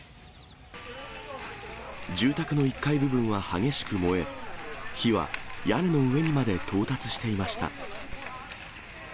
住宅の１階部分は激しく燃え、火は屋根の上にまで到達していました。